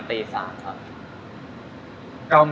ก็เลยเริ่มต้นจากเป็นคนรักเส้น